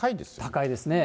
高いですね。